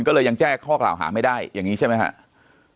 ก็เลยยังแจ้งข้อกล่าวหาไม่ได้อย่างนี้ใช่ไหมครับ